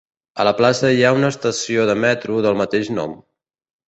A la plaça hi ha una estació de metro del mateix nom.